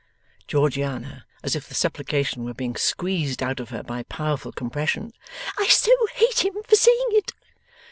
Georgiana, as if the supplication were being squeezed out of her by powerful compression. 'I so hate him for saying it!